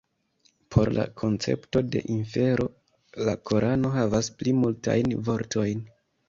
Por la koncepto de infero la korano havas pli multajn vortojn.